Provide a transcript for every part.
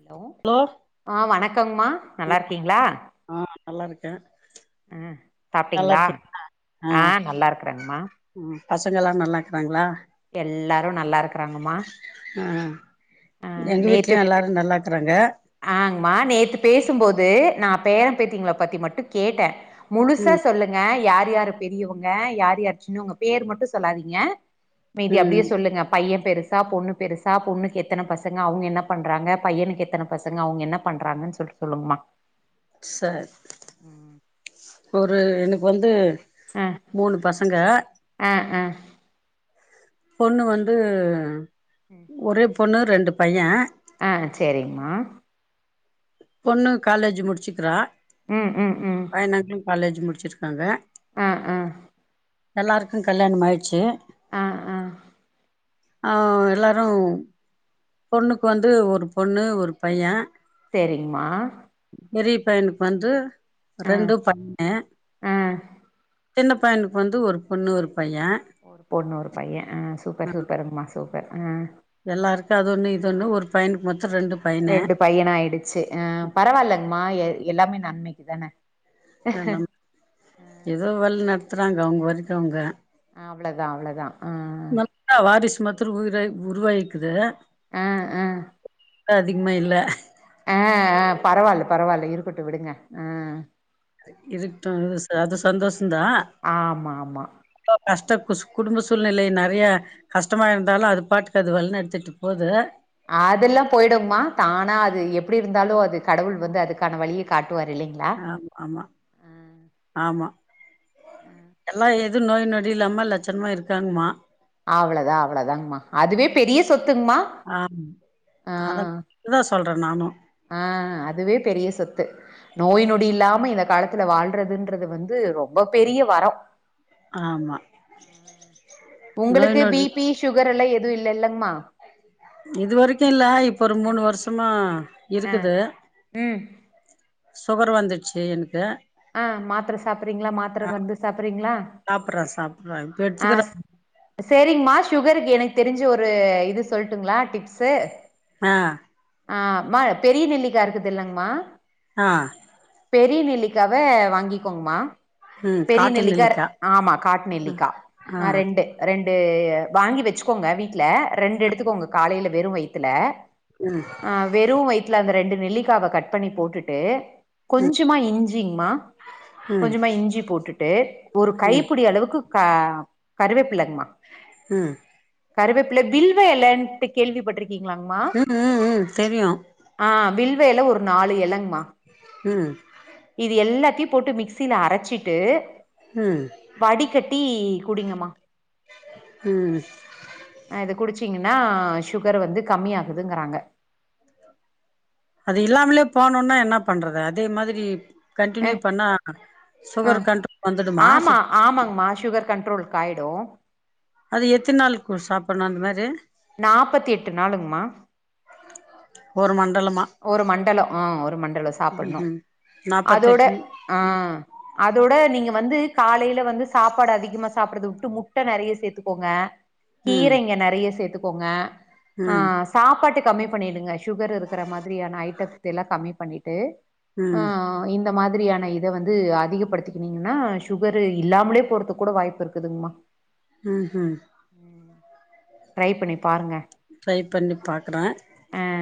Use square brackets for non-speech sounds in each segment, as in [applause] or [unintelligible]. Hello! ஆஹ் வணக்கம். ங்கமா, நல்லா இருக்கீங்களா. ஆ நல்லா இருக்கே ஆஹ நல்லா சாப்பிட்டீங்களா. இருக்கே ஆஹ நல்லா இருக்கறேங்கமா. பசங்கலா, நல்லாக்கிறாங்களா. எல்லாரும் நல்லா இருக்குறாங்கம்மா. ஆ எங்க வீட்லயும் எல்லாரும் நல்லா இருக்கிறாங்க. ஆ ங்மா நேத்து பேசும். போது, நான் பேர பேத்திங்களை பத்தி மட்டும் கேட்டேன். முழுசா ம் சொல்லுங்க யார் யாரு. பெரியவங்க. யார் யாச்சுன்னு உங்க பேர் மட்டும் சொல்லாதீங்க. மீதி அப்படியே ம் சொல்லுங்க. பையன். பெருசா பொண்ணு. பெருசா பொண்ணுக்கு எத்ன பசங்க அவுங்க என்ன பண்றாங்க பையனுக்கு எத்ன. பசங்க. அவங்க என்ன பண்றாங்கன்னு சொல்லி சொல்லுங்கமா. சார். ம் ஆ எனக்கு வந்து, மூணு பசங்க. ஆ ஆ ஆ பொண்ணு வந்து. ம். ஒரே பொண்ணு ரெண்டு பையன். ஆஹ், சேரிங்மா. பொண்ணு, காலேஜ் முடிச்சுக்கிறா. ம் ம் ஆ, நா காலேஜ் முடிச்சு. வச்சிருக்காங்க. ஆஹ் ஆஹ். எல்லாருக்கும் கல்யாணம் ஆயிடுச்சு. ஆஹ் ஆஹ் ஆஹ எல்லாரும். பொண்ணுக்கு வந்து ஒரு பொண்ணு ஒரு பையன் செரிங்கமா பெரிய பையனுக்கு வந்து ரெண்டும் பையன் ஆ சின்ன பையனுக்கு வந்து ஒரு பொண்ணு ஒரு பைய ஒரு பொண்ணு ஒரு பையன் ஆஹ் சூப்பர் சூப்பர் மா சூப்பர் எல்லாருக்கும் அது ஒண்ணு இது ஒண்ணு ஒரு பையனுக்கு மட்டும் ரெண்டு பையன் ஆயிடுச்சு அஹ் பரவாயில்லைங்கம்மா எல்லாமே நன்மைக்கு இதானே எல்லாம் ஏதோ வருது சுத்துறாங்க அவங்க வரைக்கும் அவங்க அவ்ளதான் அவ்ளதான் ம் நல்லா வாரிசு மாத்திரம் உயிரா உருவாகிக்குது ஆஹ் ஆஹ் அதிகமா இல்ல அஹ் ஆஹ் பரவாயில்ல பரவாயில்ல இருக்கட்டும் விடுங்க ஆஹ் இருக்கட்டும் இ அது ஆமா ஆமா சந்தோஷம்தாஇப்ப கஷ்ட கு குடும்ப சூழ்நிலை நெறைய கஷ்டமா இருந்தாலும் அது பாட்டுக்கு அது வழி நடத்துட்டு போது அததுெல்லாம் போயிடுமா தானா அது எப்படி இருந்தாலும் அது கடவுள் வந்து அதுக்கான வழிய காட்டு ஆமா ஆமா ஆமா எல்லாம் இதுவும் நோய் நொடி இல்லாம லட்சணமா இருக்காங்கம்மா அவ்ளதா அவ்ளோதாங்கமா அதுவே பெரிய சொத்து த்துங்கமா ஆமா அத ஆஹ அதா சொல்றே நானு ஆஹ அதுவே பெரிய சொத்து நோய் நொடி இல்லாம இத இந்த காலத்துல வாழ்றதுன்றது வந்து ரொம்ப பெரிய வரம் ஆமா நோய் உங்களுக்கு பி நொடி பி சுகர் எல்லாம் எது இன்னும் இல்ல இல்ல இது வரைக்கும் இல்ல இப்ப ஒரு மூணு வருஷமா ஆஹ் இருக்குது உம் சுகர் வந்துடுச்சு எனக்கு ஆஹ் மாத்திர சாப்பறீங்களா மாத்திர மருந்து சாப்பறீங்களா சாப்புட்றே சாப்புட்றே இப்ப எடுத்துக்கிறே ஆஹ் செரிங்கமா சுகர் எனக்கு தெரிஞ்ச ஒரு இது சொல்ட்டுங்களா டிப்சு ஆஹ் ஆஹ மா பெரிய நெல்லிக்கா இருக்குதுல்லங்கமா ஆ பெரிய நிலை க்காவ வாங்கிக்கோங்கமா ம் பெரிய காட்டு நெல்லிக்கா ஆமா காட்டு நெல்லிக்கா ஆ ரெண்டு ரெண் டு வாங்கி வச்சிக்கோங்க வீட்ல ல ரெண்டு எடுத்துக்கோங்க காலையில வெறும் வயிறத்துல ஆ வெறும் வயித்துல அந்த ரெண்டு நெல்லிக்காவ கட் பண்ணி போட்டுட்டு கொஞ்சமா இஞ்சி ங்மா ம் கொஞ்சமா இஞ்சி போட்டுட்டு ஒரு ம் கைபுடி அளவுக்கு கா கருவேப் பிலங்மா ம் கருவேப்பில வில்வே எலன்ட்டு கேள்விப்பட்டிரு ம் ம் ம் தெரியும் முருங்க எல ஒரு நாலு இலைங்க அ ம் இது எல்லாத் டி போட்டு மிக்சில அரைச்சி ட்டு ம் வடிகட்டி குடிங்கம்மா ம் ஆ இத குடிச்சீங் ந சுகர் வந்து கம்மிய ஆகுதுங்கிறாங்க அது இல்லாமலே போனும்னா என்ன பண்றது அதே மாதிரி அ கண்டினியூ பண்ணா ஆ சுகர் கண்ட்ரோல் வந்துடுமா ஆமா சுத் ஆமாங்மா சுகர் கண்ட்ரோல்க்கு ஆயிடும் அது எத்தின நாளுக்கு சாப்பிடணும் அந்த மாரி நாப்பத்தி எட்டு நாளுங்ம்மா ஒரு மந்த் ஒரு மண்டலம் ஆ ஒரு மண்டலம் சாப்பிடணும் ம்ஹும் அதோட நாப்பத்தெட்டு ஆ அதோட நீங்க வந்து காலையில வந்து சாப்பாடு அதிகமா சாப்பிடுறத உட்டுட்டு முட்டை நெறைய சேத்துக்கோங்க ம் கீரை இங்க நெறைய சேத்துக் போங்க ஆ ம் சாப்பாட்டு கம்மி பண்ணிடுங்க சுகர் க்கிற மாதிரியான ஐட்டம் த்லா கம்மி பண்ணிட்டு ஆ ம் ம் ன் இந்த மாதிரியான இத வந்து அதிகப்படுத்திக்கனீங்கனா சுகரு இல்லாமலே போறதுக்கு கூட வாய்ப்பு இருக்குதுங்கமா ம் ம் ட்ரை பண்ணி பாருங்க ட்ரை பண்ணி பாக்குறேன் ஆ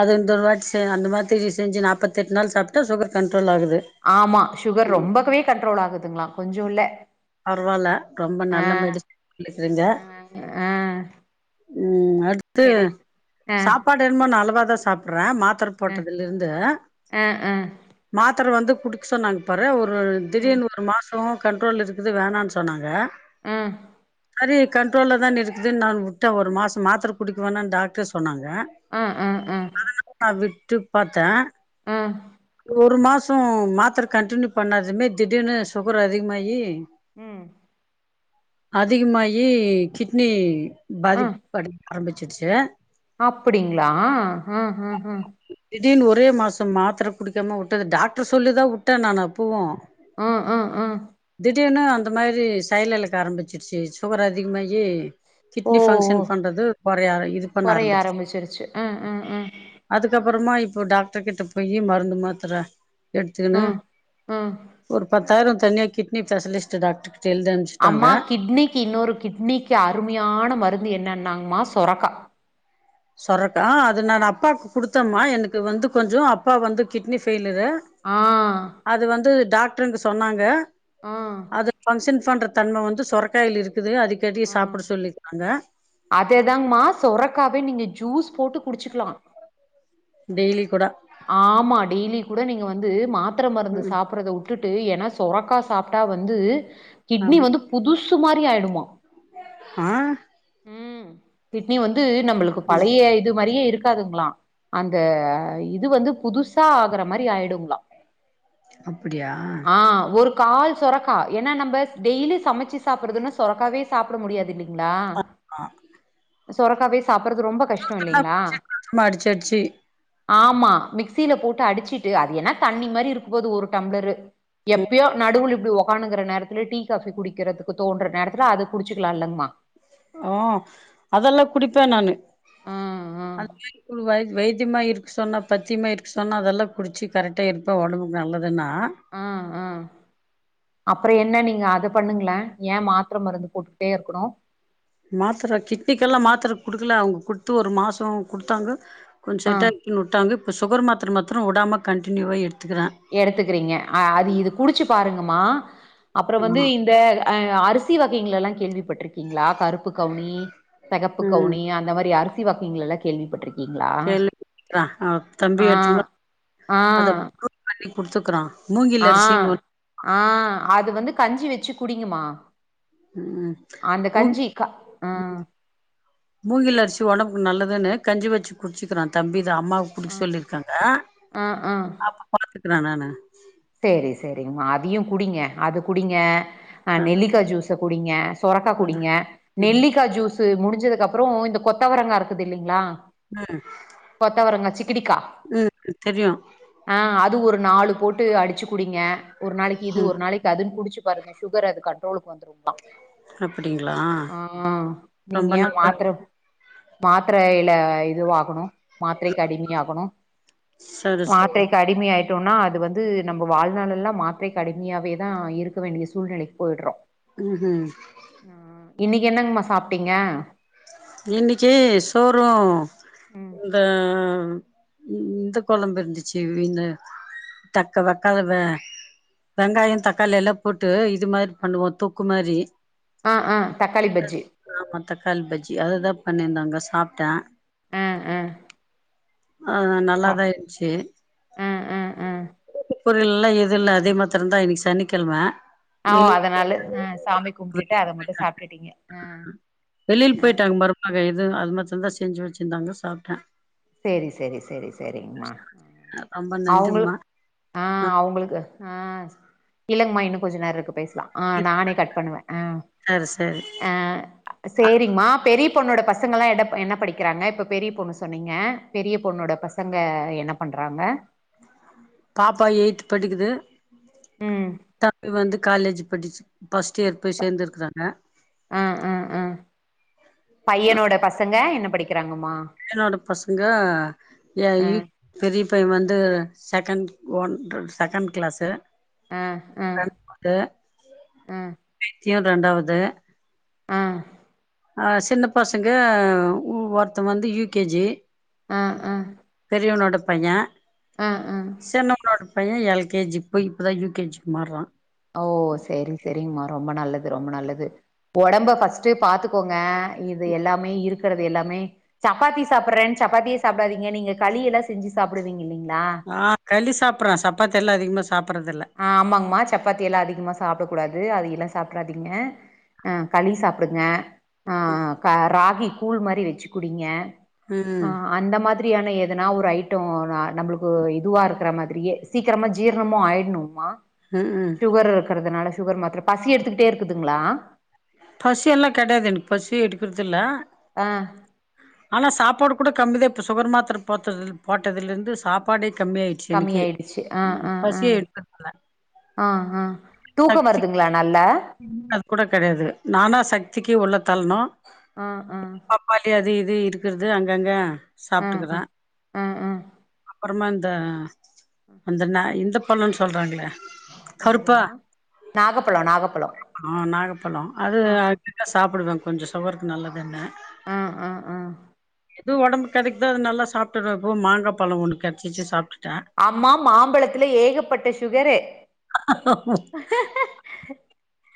அது இந்த வாட் [unintelligible] அந்த மாதிரி செஞ்சு நாப்பத்தி எட்டு நாள் சாப்டு சுகர் கண் ஆமா சுகர் ரொம்பகவே கண்ட்ரோல ஆகுதுங்களா கொஞ்சோ இல பரவால ரொம்ப நல்ல மெடிசன் சொல்லிக்கிறீங்க ஆ ஆ ம் அ அடுத்து என ஆ சாப்பாடு என்னமோ நல்லதா சாப்பிடற மாத் த்திர ஆ போட்டதுலிருந்து ஆ ஆ மாத் ஒத்தர் வந்து குடுக்க சொன்னாங் பாரே ஒரு ஒர் ம் திடீனு ஒரு மாச ஓ கண்ட்ரோல் இருக் இது வேணனு சொன்னாங்க ஆ சேரி கண்ட்ரோல்லா தான் இருக்குதுன்னு நா விட்டேன் ஒரு மாச மாத்திர குடிக்கவேணனு டாக்டர் சொன்னாங்க அ ஆ ஆ அதனால நா விட்டு பாத்தே ஆ ஒரு மாசோ மாத்திர கன்டினியூ பண்ணதுமே திடீர்னு சுகர் அதிகமாயி உம் அதிகமாயி கிட்னி பாதிப் படி ஆரம்பிச்சிசு அப்படிங்களா அ அ அ திடீர்னு ஒரே மாசோ மாத்திர குடிக்காம விட்டது டாக்டர் சொல்லி தான் விட்டேன் நானு அப்பாவு ஆ ஆ ஆ திடீர்னு அந்த மாரி செயலிழக்க ஆரம்பிச்சடுச்சு சுகர் அதிகமாயி ஓ கிட்னி ஓ பங்க்ஷன் பண்றது குறைய இது பண்ண கொறைய ஆரம்பிச்சு ஆரம்பிச்சிருச்சு ஆ ஆ ஆ அதுக்கப் அப்புறமா இப்போ டாக்டர் கிட்ட போய் மருந்து மாத்தர எடுத்துக்கன்னு ஆ ஆ ஒரு பத் தார தனியாக்கிட் நீ ஸ்பெஷிஸ்ட டாக்டர் அம்மா கிட்னிக்கு இன்னொரு கிட்னிக்கு அருமையான மருந்து என்னனா மா சொரகா சொரக்கா அது நா அப்பாக்கு குடுத்தம்மா எனக்கு வந்து கொஞ்சோ அப்பா வந்து கிட்னி ஃபெயி இத ஆ அது வந்து டாக்டருங்க சொன்னாங்க ஆ அது பங்ஷன் பண்றத் தன்ம வந்து சொரகாயில இருக் க்குது அடிக்கடி ஆ சாப்பிட சொல்லிக்கிறாங்க அதேதாங்கமா சொரக்காவே நீங்க ஜூஸ் போட்டு குடிச்சுக்கலா டெய்லி கூட ஆமா டெய்லி கூட நீங்க வந்து மா த்திர மருந்து ம் சாப்பிடுரத வுட்டுட்டு என சொரக்கா சாப்ட்டா வந்து கிட்னி ஆமா வந்து புதுசு சுமாரி ஆயிடுமா ஆ ம் கிட்னி வந்து இது நம்மளுக்கு ம் பழைய இது மாரியே இருக்கு [unintelligible] களாதுங்ளா அந்த இது இது வந்து புதுசா ஆகுற மாரி ஆயிடுங்களா அப்டியா ஆ ஒரு கால் சொரக்கா என்னா நம்ம டெய்லி சமைச்சி சாப்பிடுறதுனு சொரக்காவே சாப்பிட முடியாது இல்லிங் நா ஆ சொரக்காவே சாப்படுறது ரொம்ப கஷ்டம் இல்லைங்களா [inaudible] அடிச் அடிச் ஆமா மிக்சியில போட்டு அடிச்சிட்டு அது ஏன்னா தண்ணி மாரி இருக்க போது ஒரு டம்ளரு ம் எப்பயோ நடுவுல உக்கானு இருக்குற நேரத்துல டீ காபி குடிக்கிறதுக்கு தோன்ற நேரத்துல அது குடிச்சுக்கலாம்லங்கமா அ அதெல்லா குடிப்பே நானு ஆ, ஆ, வ வைத்தியமா இருக்கு சொன்னா பத்தியமா இருக்கு சொன்னா அதெல்லா குடிச்சு கரெக்டா இருப்பே உடம்புக்கு நல்லது ஆ ஆ அப்றோ என்ன நீங்க அத பண்ணுங்களே ஏன் மாத்ர மருந்து போட்டுக்கிட்டே இருக்கணு மாத்ர கிட்னிக்கெல்லா மாத்ர குடுக்கல அவங்க குடுத்து ஒரு மாசோ குடுத்தாங்க கொஞ்சோ ஆ டட்னுட்டாக இப்ப சுகர் மாத்ர மத்ரோ உடாம கண்டினுவா எடு எடுத்துக்கிறீங்க ஆ அது இது குடிச்சு பாருங்க அம்மா அப்றோ வந்து ஆ இந்த ஆ அரிசி வகைங்களல்லா கேள்விப் பட்ருக்கீங்களா கருப்பு கவுனி செகப்பு ம் கவுனி அந்த மாரி அரி சி வகைங்களல்லா கேள்விப்பட்ருக் செல்லு ஆ ஆ தம்பி ஆ, எடுத்துனு வ அத ஆ. குடுத்துக்குறா மூங்கில் ஆ அரிசினு ஒரு ஆ அது வந்து கஞ்சி வச்சு குடிங்கம்மா ம் மூங் க ஆ மூங்கில் அரிசி ஒடம்புக்கு நல்லதுன்னு கஞ்சி வச்சு குடிச்சிக்கிறா தம்பி அது அம்மாவுக்கு ஆ குடுக்க சொல்லிருக்காங்க. ஆ ஆ பாத்துக்கறா அவ அவ ஆஹ சேரி சேரிங்கம்மா அதையு குடிங்க அது குடிங்க ஆ நெல்லிக்கா ஜூஸு குடிங்க சொரக்கா ம் குடிங்க நெல்லிக்கா ஜூஸ் து முடிஞ்சதுக்கு அப்புறோ இந்த கொத்தவரங்கா இருக்குது இல்லைங்ளா ம் கொத்தவரங்கா சிக்கிடிக்கா ம் தெரியு ஆ அது ஒரு நாலு போட் டு அடிச்சு குடிங்க. ஒரு நாளைக்கி இது ம் ஒரு நாளைக்கு அதுன்னு குடிச்சு பாருங்க. சுகர் அது கண்ட்ரோலுக்கு வந்துருமா. அப்டிங்களா ஆ நீங்க ரொம்ப ஏன் நல்லது மாத்திர மாத்தரைல இதுவாகணு மாத்தரைக்கு அடிமையாகணு சரி சரி மாத்தரைக்கு அடிமையாயி ட்டோன்னா அது வந் து நம்ம வாழ்நாளல்லா மாத்திரைக்கு அடிமையாவேதா இருக்க வேண்டிய சூழ்நிலைக்கு போயிடுறோ ம் ஹும் இன்னக்கி என்னங்மா சாப்ட்டீங்க? இன்னக்கி சோறும் இந்த இ இந்த கொழம்பு இருந்துச்சு இந்த தக்க வெக்காள வெ வெங்காயோ தக்காளி எல்லா போட்டு இது மாரி பண்ணுவோ தொக்கு மாரி ஆ ஆ தக்காளி பஜ்ஜி க்கி அதுதா பண்ணிருந்தாங்க சாப்ட்டே. ஆ ஆ ஆ நல்லாதா இருந்த்ச்சு ஆ ஆ ஆ ஆ பொருள் எல்லா எது இல்ல அது மாத்திரந்தா இன்னக்கி சனிக்கெழம. ஓ அதனால ஆ சாமி கும்ட்டுட்டு வெளிய அத மட்டு போயிட்டாங்க சாப்ட்டுட்டீங்க வெளியில ஆ போயிட்டாங்க மருமக எது அது மா [inaudible] தா செஞ்சு வச்சிருந்தாங்க சாப்ட்டே சேரி சேரி சேரி சேரிங்கமா ரொம்ப நன்றிமா அவங்களுக்கு ஆ அவங்களுக்கு ஆ இல்லங்கமா இன்ன கொஞ்ச நேரம் இருக்கு பேச ஆ நானே கட் பண்ணுவே ஆ சரி சரி அ சரிங்மா பெரி பொண்ணோட பசங்காள என்ன படிக்கிறாங்க இப்ப பெரிய பொண்ணு சொன்னீங் ங்க பெரிய பொண்ணோட பசங்க என்ன பண்றாங்க பாப்பா எயி்த் படிக்குது ம் தம்பி வந்து காலேஜ் படிச்சு ஃபர்ஸ்ட் இயர் போய் சேர்ந்துருக்கிறாங்க அ அ அ பையனோட பசங்க என்ன படிக்கிறாங்க என்னோட பசங்க ஏ ஆ அய் பெரிய பையன் வந்து செகண்ட் ஒன் செகண்ட் கிளாஸு அ அ அ இவன் ரெண்டாவது ஆ அ சின்ன பசங்க ஒருத் தங்க வந்து யூ கே ஜி ஆ ஆ பெரியவனோட பைய ஆ ஆ சின்னவனோடு பையன் எல் கே ஜி போய் இப்பதா யூ கே ஜி மாறா ஓ செரி செரிங்கமா ரொம்ப நல்லது ரொம்ப நல்லது உடம்ப ஃபர்ஸ்டு பாத்துக்கோங்க இது எல்லாமே இருக்கிறது எல்லாமே சப்பாத்தி சாப்பிறேனு சப்பாத்திய சாப்பிடாதீங்க நீங்க கலி ஏதானு செஞ்சு சாப்பிடுவீங்க இல்லிங்களா ஆ களி சாப்பிடற சப்பாத்தி எல்லாம் அதிகமா சாப்பட்றதில்ல ஆ ஆமாங்கமா சப்பாத்தி எல்லாஅதிகமா சாப்டக் கூடாது அது எல்லா சாப்ட்றாதீங்க அ களி சாப்டுங்க ஆ ஹ கா ராகி கூல் மாரி வெச்சு குடிங்க ஆ ம் அந்த மாதிரியான எதுனா ஒரு ஐட்டோ நம்மளுக்கு இதுவா இருக்கிற மாதிரியே சீக்கிரமா ஜீரணமும் ஆயிடணும் உமா ம் ம் சுகர் இருக்கறதுனால சுகர் மாத்திர பசி எடுத்துக்கிட்டே இருக்குதுங்களா பசி எல்லா கிடையாது எனக்கு பசி எடுக்கறத இல்ல ஆ ஆனா சாப்பாடு கூட கம்மிதா இப்ப சுகர் மாத்திர போட்டது போட்டதல இருந்து சாப்பாடு கம்மிய ஆயிடுச்சு அ அ அ பசியே எடுக்கறதில்ல ஆ ஆ தூக்கோ வருதுங்களா நல்லா இன்ன அது கூட கிடையாது நானா சக்திக்கே உள்ள தள்னு அ ஆ இது இருக்கிறது அங்கங்க ஆ சாப்பிட்டுக்கறோ ஆ ஆ ஆ அப்பறமா அந்த அந்த நா இந்த சொல்லுன்னு சொல்லறாங்களே என்னதுங்மா நாகப்பழம் நாக [inaudible] அ நாகப்பழோ அது அது [inaudible] சாப்பிடுவே கொஞ்ச சுகருக்கு நல்லதுன்னு ஆ ஆ ஆ எது உடம்பு கிடக்கிதோ அது நல்லா சாப்பிடுவ இப்போ மாங்கா பழ ஒன்னு கெடச்சிசு சாப்டு அம்மா மாம்பழத்துல ஏகப்பட்ட சுகரு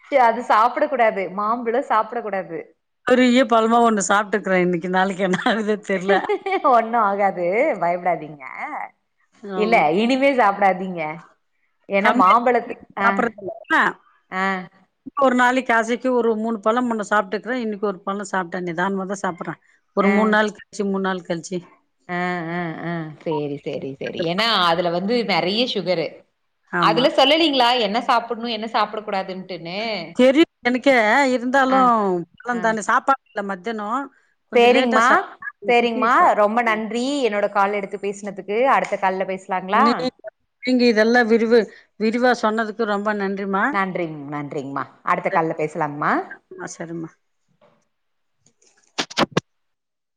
ச்சீ அது சாப்ட கூடாது மாம்பழம் சாப்ட கூடாது பெரிய பழமா ஒண்ணு சாப்பிட்டுக்குறே இன்னைக்கு நாளைக்கு என்ன ஆகுதோ தெர்ல ஒண்ணு ஆகாது பயப்படாதீங் ங்க இல்ல இனிமே சாப் படாதீங்க கம்மிய [inaudible] சாப்பறது ஆ [inaudible] இப்ப ஒரு நாளைக் கசக்கி ஒரு மூணு பழம் முன்ன சாப்பட்டுக்குவே இன்னைக்கு ஒரு பழம் சாப்பட்ட வேண்டியதுதா அப்பப்ப சாப்படுற ஒரு மூண் நாள் கழிச்சி மூண் நாள் கழிச்சி அ அ அ சேரி சேரி சேரி கண்டிப்பா. ஏன்னா அதுல வந்து நெறைய சுகரு ஆமா. அதுல சொல்லலிங்களா எ என்ன சாப்புணும் என்ன சாப்ட கூடாது தெரியு எனக்கே ஆ இருந்தாலும் ஆ பழம் தானே சாப்பா இல்ல மத்தனோ சேரிங்மா சேரிங்மா ரொம்ப ம். நன்றி என்னோட கால எடுத்து பேசினதுக் து அடுத்த கால்ல பேச நீ நீங்க இதெல்லாம் விரிவு விரிவா சொன்னதுக் ரொம்ப நன்ற் நன்றிங் நன்றிங்மா அடுத்த கால்ல பேசலாங்கமா சரிம்மா சரிம்மா.